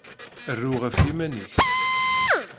Ru ɣef yiman-ik!